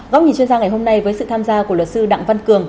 góc nhìn chuyên gia ngày hôm nay với sự tham gia của luật sư đặng văn cường